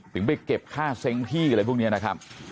ไปเก็บค่าเซ้งที่อะไรพวกนี้นะครับ